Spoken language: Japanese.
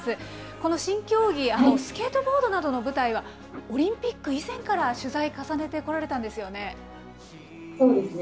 この新競技、スケートボードなどの舞台は、オリンピック以前から取材、重ねてこられたんですよね。